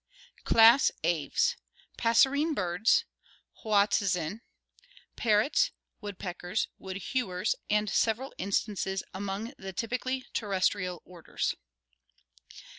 Class Aves Passerine birds. Hoatzin. Parrots, woodpeckers, wood hewers, and several instances among the typically terrestrial orders.